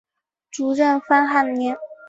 主任潘汉年。